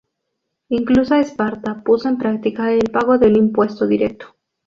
Incluso Esparta puso en práctica el pago de un impuesto directo.